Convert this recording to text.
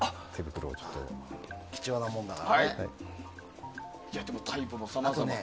貴重なものだからね。